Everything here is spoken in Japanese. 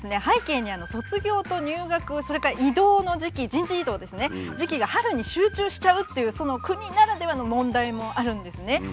背景に卒業と入学それから異動の時期人事異動ですね時期が春に集中しちゃうっていうその国ならではの問題もあるんですね。